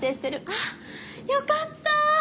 ああよかった！